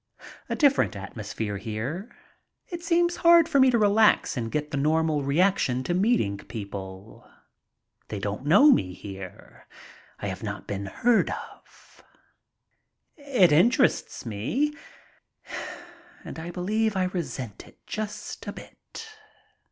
A different atmosphere here. It seems hard for me to relax and get the normal reaction to meeting people. They don't know me here. I have never been heard of. It interests me and I believe I resent it just a bit.